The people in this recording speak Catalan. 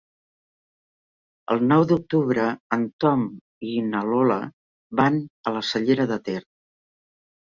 El nou d'octubre en Tom i na Lola van a la Cellera de Ter.